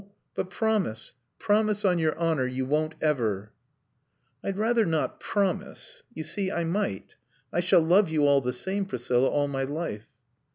But promise, promise on your honor you won't ever." "I'd rather not promise. You see, I might. I shall love you all the same, Priscilla, all my life."